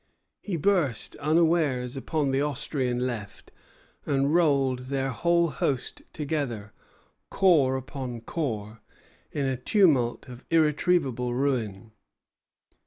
He burst unawares upon the Austrian right, and rolled their whole host together, corps upon corps, in a tumult of irretrievable ruin.